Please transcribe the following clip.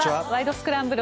スクランブル」